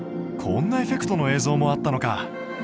こんなエフェクトの映像もあったのか。